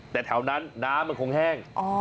แต่แถวนั้นน้ำมันคงแห้ง